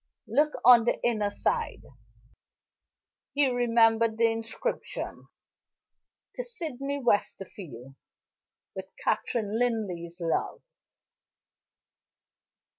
Look on the inner side." He remembered the inscription: "To Sydney Westerfield, with Catherine Linley's love."